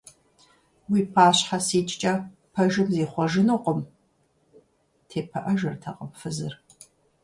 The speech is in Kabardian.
Уи пащхьэ сикӀкӀэ пэжым зихъуэжынукъым! – тепыӀэжыртэкъым фызыр.